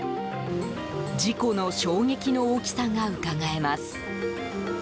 事故の衝撃の大きさがうかがえます。